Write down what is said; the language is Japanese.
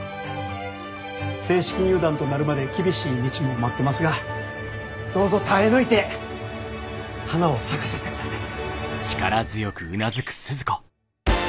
正式入団となるまで厳しい道も待ってますがどうぞ耐え抜いて花を咲かせてください。